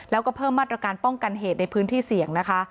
แล้วก็เพิ่มมาตรการป้องกันเหตุในพื้นที่เสี่ยงนะคะ